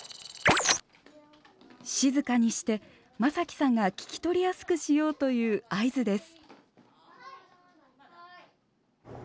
静かにしてまさきさんが聞き取りやすくしようという合図です。